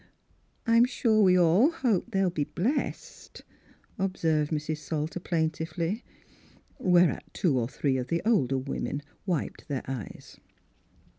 " I'm sure we all hope they'll be blessed," observed Mrs. Salter plaintively. Whereat two or three of the older women wiped their eyes.